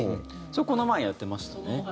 それこの前やってましたね。